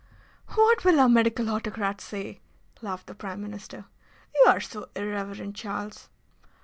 "What will our medical autocrat say?" laughed the Prime Minister. "You are so irreverent, Charles.